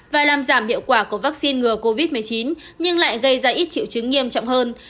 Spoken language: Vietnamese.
và làm giảm hiệu quả của vaccine ngừa covid một mươi chín nhưng lại gây ra ít triệu chứng nghiêm trọng hơn